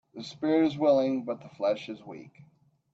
The spirit is willing but the flesh is weak